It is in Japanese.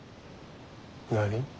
何？